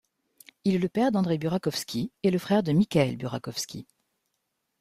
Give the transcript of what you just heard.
Il est le père d'André Burakovsky et le frère de Mikael Burakovsky.